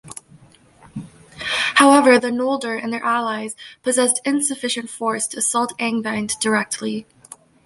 However, the Noldor and their allies possessed insufficient force to assault Angband directly.